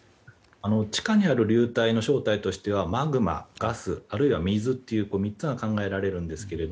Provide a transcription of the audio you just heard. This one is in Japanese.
地下にある流体の正体としてはマグマ、ガスあるいは水の３つが考えられるんですが